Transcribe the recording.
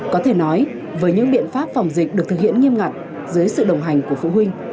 có thể nói với những biện pháp phòng dịch được thực hiện nghiêm ngặt dưới sự đồng hành của phụ huynh